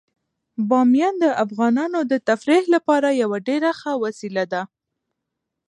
بامیان د افغانانو د تفریح لپاره یوه ډیره ښه وسیله ده.